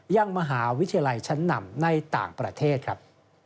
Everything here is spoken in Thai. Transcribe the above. ยังมหาวิทยาลัยชั้นนำในต่างประเทศครับ